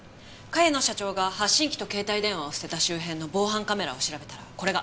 茅野社長が発信機と携帯電話を捨てた周辺の防犯カメラを調べたらこれが。